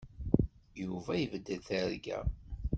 Yuba ibeddel targa.